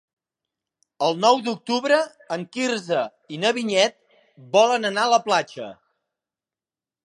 El nou d'octubre en Quirze i na Vinyet volen anar a la platja.